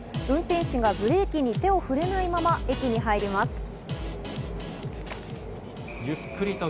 運転士がブレーキに手を触れないまま、駅に入ります。